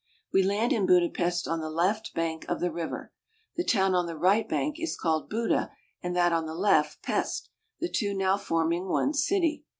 We land in Budapest on the left bank of the river. The town on the right bank is called Buda and that on the left Pest, the two now forming one city.